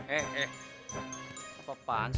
eh eh apaan sih